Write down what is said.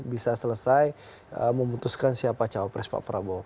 bisa selesai memutuskan siapa calon pres pak prabowo